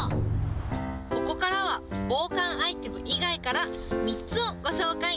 ここからは、防寒アイテム以外から３つをご紹介。